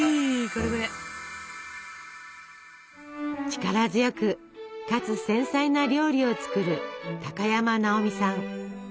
力強くかつ繊細な料理を作る高山なおみさん。